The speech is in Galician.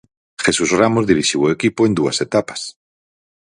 Jesús Ramos dirixiu o equipo en dúas etapas.